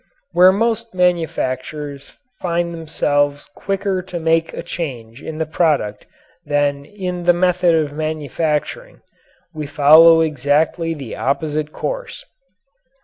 Where most manufacturers find themselves quicker to make a change in the product than in the method of manufacturing we follow exactly the opposite course.